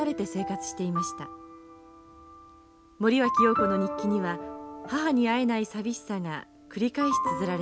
森脇瑤子の日記には母に会えない寂しさが繰り返しつづられています。